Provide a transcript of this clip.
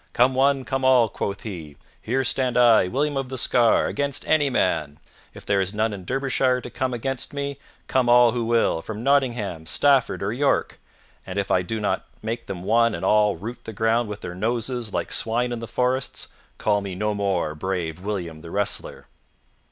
"Come one, come all!" quoth he. "Here stand I, William of the Scar, against any man. If there is none in Derbyshire to come against me, come all who will, from Nottingham, Stafford, or York, and if I do not make them one and all root the ground with their noses like swine in the forests, call me no more brave William the wrestler."